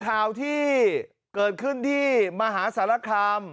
ข่าวที่เกิดขึ้นที่มหาสารคาม